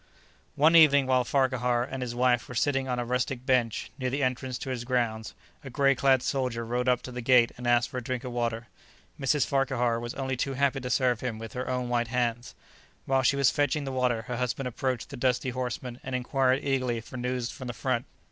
One evening while Farquhar and his wife were sitting on a rustic bench near the entrance to his grounds, a gray clad soldier rode up to the gate and asked for a drink of water. Mrs. Farquhar was only too happy to serve him with her own white hands. While she was fetching the water her husband approached the dusty horseman and inquired eagerly for news from the front.